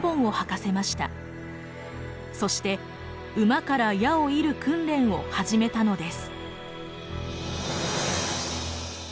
そして馬から矢を射る訓練を始めたのです。